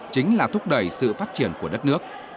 chính là thúc đẩy sự phát triển của đất nước